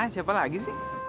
siapa lagi sih